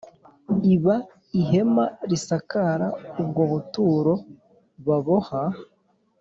iba ihema risakara ubwo buturo baboha